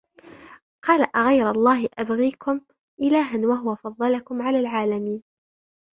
قَالَ أَغَيْرَ اللَّهِ أَبْغِيكُمْ إِلَهًا وَهُوَ فَضَّلَكُمْ عَلَى الْعَالَمِينَ